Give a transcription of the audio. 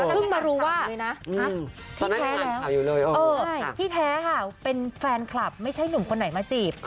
เพิ่งมารู้ว่าแท้แล้วที่แท้ค่ะเป็นแฟนคลับไม่ใช่หนุ่มคนไหนมาจีบ